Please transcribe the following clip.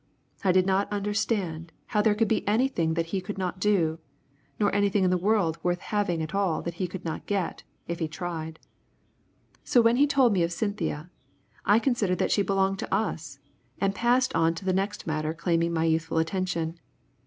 I did not understand how there could be anything that he could not do, nor anything in the world worth having at all that he could not get, if he tried. So when he told me of Cynthia, I considered that she belonged to us, and passed on to the next matter claiming my youthful attention.